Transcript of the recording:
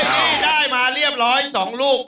นี่ได้มาเรียบร้อย๒ลูก